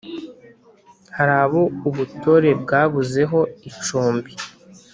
hari abo ubutore bwabuzeho icumbi,